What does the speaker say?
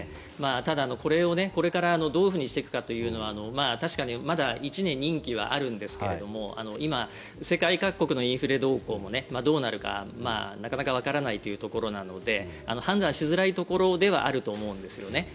ただ、これをこれからどうしていくかは確かにまだ１年任期はあるんですけど今、世界各国のインフレ動向もどうなるかなかなかわからないというところなので判断しづらいところではあると思うんですよね。